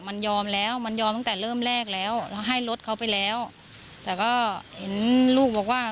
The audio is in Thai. มันยอมแล้วมันยอมตั้งแต่เริ่มแรกแล้วแล้วให้รถเขาไปแล้วแต่ก็เห็นลูกบอกว่า